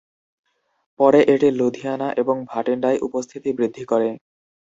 পরে, এটি লুধিয়ানা এবং ভাটিণ্ডায় উপস্থিতি বৃদ্ধি করে।